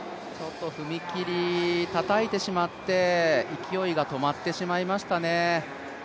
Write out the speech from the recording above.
踏み切り、たたいてしまって勢いが止まってしまいましたね。